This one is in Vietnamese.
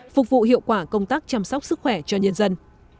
phục vụ hiệu quả công tác chăm sóc sức khỏe cho nhân dân